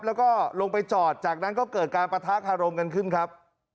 แล้วก็ลงไปจอดจากนั้นก็เกิดการปะทะคารมกันขึ้นครับ